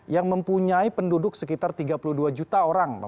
yang mempunyai penduduk sekitar tiga puluh dua juta orang